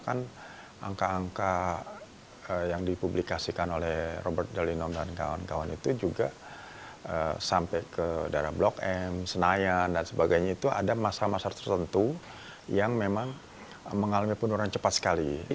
kan angka angka yang dipublikasikan oleh robert dalinom dan kawan kawan itu juga sampai ke daerah blok m senayan dan sebagainya itu ada masalah masalah tertentu yang memang mengalami penurunan cepat sekali